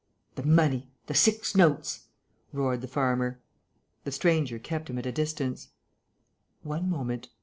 "The money! The six notes!" roared the farmer. The stranger kept him at a distance: "One moment